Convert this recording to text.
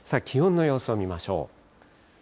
気温の様子を見ましょう。